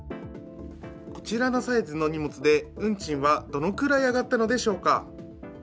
こちらのサイズの荷物で運賃はどのぐらい上がったのでしょうか。